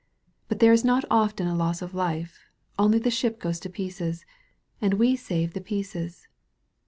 But there is not often a loss of life, only the ship goes to pieces. And we save the pieces."